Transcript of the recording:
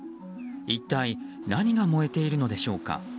一体、何が燃えているのでしょうか。